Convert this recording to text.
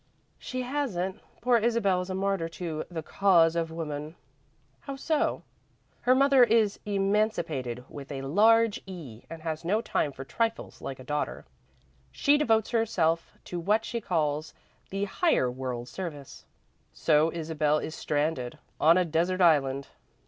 "She hasn't. Poor Isabel is a martyr to the Cause of Woman." "How so?" "Her mother is Emancipated, with a large E, and has no time for trifles like a daughter. She devotes herself to what she calls the Higher World Service." "So Isabel is stranded, on a desert island."